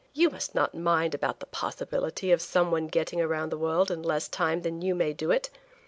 "You must not mind about the possibility of some one getting around the world in less time than you may do it.